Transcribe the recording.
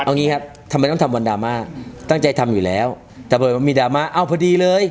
เอางี้ครับทำไมต้องทำวันดราม่าตั้งใจทำอยู่แล้วแต่พอมีดราม่าเอ้าพอดีเลย